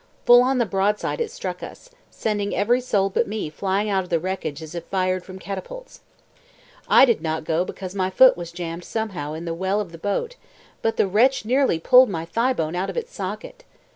Full on the broadside it struck us, sending every soul but me flying out of the wreckage as if fired from catapults. I did not go because my foot was jammed somehow in the well of the boat, but the wrench nearly pulled my thighbone out of its socket.